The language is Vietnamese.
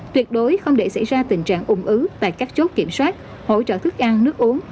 tuyệt đối không để xảy ra tình trạng ủng ứ tại các chốt kiểm soát hỗ trợ thức ăn nước uống